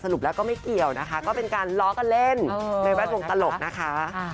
รุปแล้วก็ไม่เกี่ยวนะคะก็เป็นการล้อกันเล่นในแวดวงตลกนะคะ